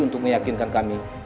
untuk meyakinkan kami